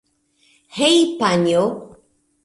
Hej' panjo!